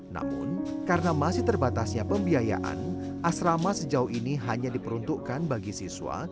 namun karena masih terbatasnya pembiayaan asrama sejauh ini hanya diperuntukkan bagi siswa